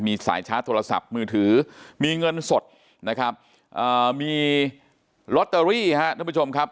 มีสายชาร์จโทรศัพท์มือถือมีเงินสดนะครับมีลอตเตอรี่ฮะท่านผู้ชมครับ